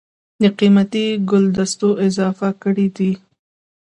دَ قېمتي ګلدستو اضافه کړې ده